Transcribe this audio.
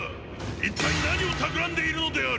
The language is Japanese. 一体何を企んでいるのである？